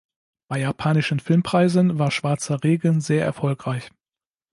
Bei japanischen Filmpreisen war "Schwarzer Regen" sehr erfolgreich.